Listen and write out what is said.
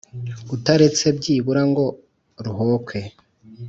utaretse byibura ngo ruhokwe